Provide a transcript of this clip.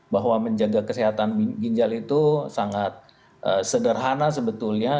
bahwa menjaga kesehatan ginjal itu sangat sederhana sebetulnya